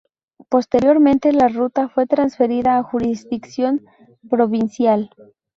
Posteriormente la ruta fue transferida a jurisdicción provincial.